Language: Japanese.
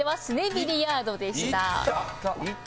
ビリヤードでした」